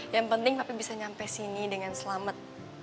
yang penting tapi bisa nyampe sini dengan selamat